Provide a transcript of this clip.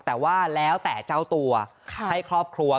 แต่ว่าแล้วแต่เจ้าตัวให้ครอบครัว